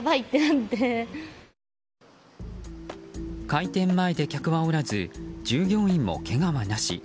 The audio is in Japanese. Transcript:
開店前で客はおらず従業員もけがはなし。